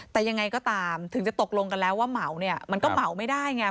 แต่ยังไงก็ตามถึงจะตกลงกันแล้วว่าเหมาเนี่ยมันก็เหมาไม่ได้ไง